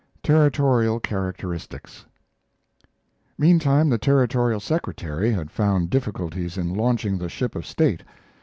TERRITORIAL CHARACTERISTICS Meantime, the Territorial secretary had found difficulties in launching the ship of state.